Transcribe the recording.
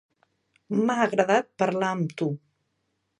M'ha agradat parlar amb tu.